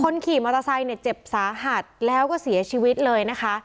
ขี่มอเตอร์ไซค์เนี่ยเจ็บสาหัสแล้วก็เสียชีวิตเลยนะคะ